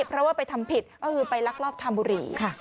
เพราะว่าไปทำผิดก็คือไปลักลอบทำบุหรี่